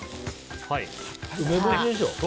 梅干しでしょ。